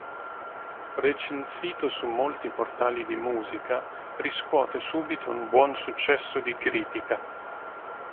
Recensito su molti portali di musica, riscuote subito un buon successo di critica.